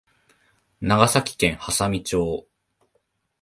長崎県波佐見町